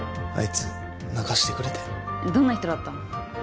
あいつ泣かしてくれてどんな人だったの？